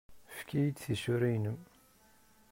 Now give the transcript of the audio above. Efk-iyi-d tisura-nnem.